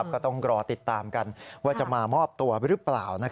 ก็ต้องรอติดตามกันว่าจะมามอบตัวหรือเปล่า